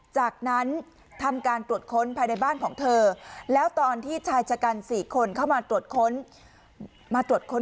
จากนั้นทำการตรวจค้นภายในบ้านของเธอแล้วตอนที่ชายชะกัน๔คนเข้ามาตรวจค้นมาตรวจค้น